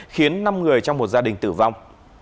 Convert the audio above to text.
khiến năm người trong một gia đình tử vong